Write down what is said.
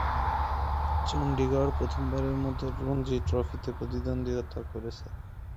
চন্ডীগড় প্রথমবারের মতো রঞ্জি ট্রফিতে প্রতিদ্বন্দ্বিতা করছে।